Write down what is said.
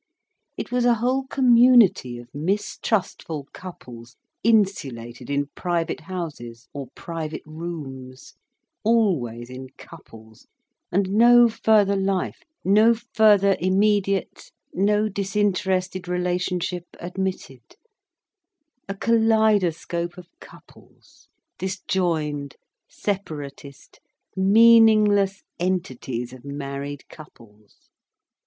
It was a whole community of mistrustful couples insulated in private houses or private rooms, always in couples, and no further life, no further immediate, no disinterested relationship admitted: a kaleidoscope of couples, disjoined, separatist, meaningless entities of married couples.